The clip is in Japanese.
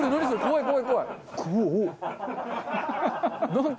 すごい。